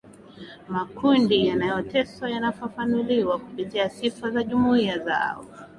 makundi yanayoteswa yanafafanuliwa kupitia sifa za jumuiya zao